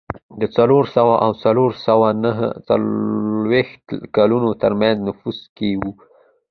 د څلور سوه او څلور سوه نهه څلوېښت کلونو ترمنځ نفوس کم و